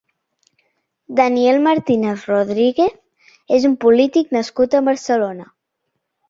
Daniel Martínez Rodríguez és un polític nascut a Barcelona.